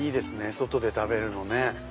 外で食べるのね。